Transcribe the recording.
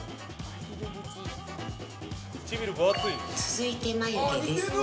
続いて、眉毛です。